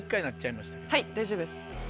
はい大丈夫です。